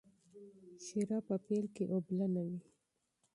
شیره په پیل کې اوبلنه وي.